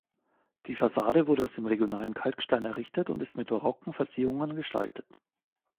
Die Fassade wurde aus dem regionalen Kalkstein errichtet und ist mit barocken Verzierungen gestaltet.